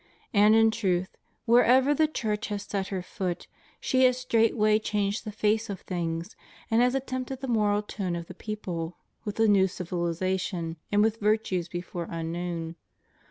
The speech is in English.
And in truth, wherever the Church has set her foot, she has straightway changed the face of things, and has attempered the moral tone of the people with a new civilization, and with virtues before unknown.